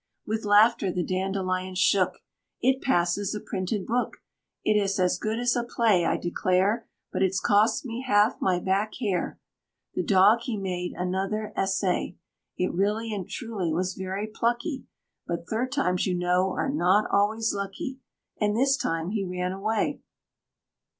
With laughter the Dandelion shook "It passes a printed book; It's as good as a play, I declare, But it's cost me half my back hair!" The Dog he made another essay, It really and truly was very plucky But "third times," you know, are not always lucky And this time he ran away!